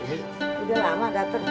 udah lama dateng